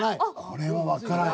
これはわからん。